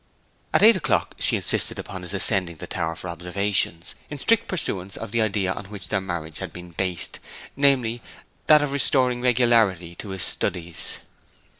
At eight o'clock she insisted upon his ascending the tower for observations, in strict pursuance of the idea on which their marriage had been based, namely, that of restoring regularity to his studies.